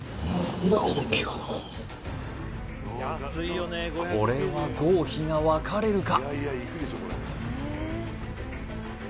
うんこれは合否が分かれるか？